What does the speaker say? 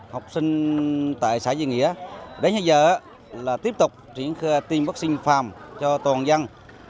học sinh tại xã duy nghĩa đến giờ là tiếp tục triển khai tiêm vaccine phòng cho toàn dân